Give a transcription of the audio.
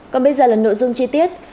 còn bây giờ là nội dung chi tiết